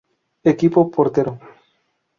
Equipo: Portero.